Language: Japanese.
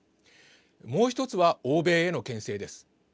もう１つは欧米へのけん制です。